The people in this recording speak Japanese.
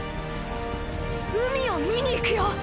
海を見に行くよ！